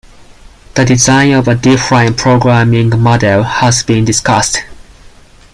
The design of a different programming model has been discussed.